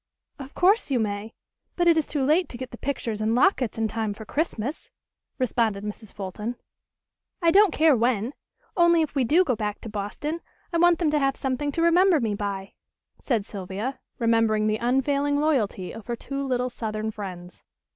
"Of course you may; but it is too late to get the pictures and lockets in time for Christmas," responded Mrs. Fulton. "I don't care when; only if we do go back to Boston I want them to have something to remember me by," said Sylvia, remembering the unfailing loyalty of her two little southern friends.